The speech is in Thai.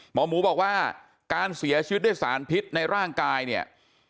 หมอหมูบอกว่าการเสียชีวิตด้วยสารพิษในร่างกายเนี่ย